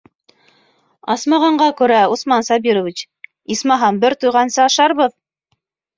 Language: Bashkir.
Асмағанға күрә, Усман Сабирович, исмаһам, бер туйғансы ашарбыҙ!